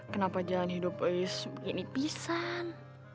kenapa jangan hidup ais begini pisan